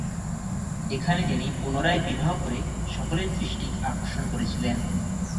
এখানে তিনি পুনরায় বিবাহ করে সকলের দৃষ্টি আকর্ষণ করেছিলেন।